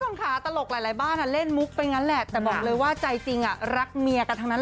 คนขาตลกหลายบ้านเล่นมุกไปแน็ตกลงเลยว่าใจจริงอ่ะรักเมียกันครั้งนั้น